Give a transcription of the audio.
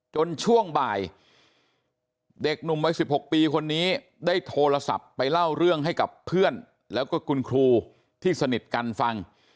ช่วงบ่ายเด็กหนุ่มวัย๑๖ปีคนนี้ได้โทรศัพท์ไปเล่าเรื่องให้กับเพื่อนแล้วก็คุณครูที่สนิทกันฟัง